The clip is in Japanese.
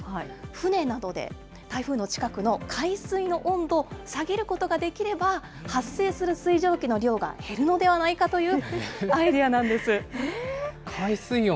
船などで台風の近くの海水の温度を下げることができれば、発生する水蒸気の量が減るのではないかというアイデアなんです。